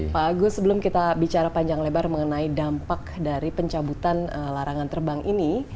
pak agus sebelum kita bicara panjang lebar mengenai dampak dari pencabutan larangan terbang ini